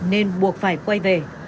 nên buộc phải quay về